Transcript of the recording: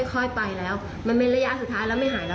คุณผู้ชมค่ะแล้วเดี๋ยวมาเล่ารายละเอียดเพิ่มให้ฟังค่ะ